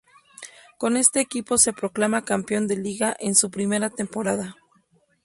Con este equipo se proclama campeón de Liga en su primera temporada.